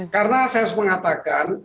karena saya harus mengatakan